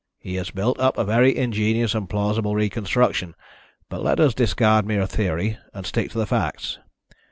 "He has built up a very ingenious and plausible reconstruction, but let us discard mere theory, and stick to the facts.